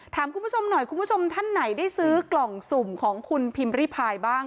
ถามคุณผู้ชมหน่อยคุณผู้ชมท่านไหนได้ซื้อกล่องสุ่มของคุณพิมพ์ริพายบ้าง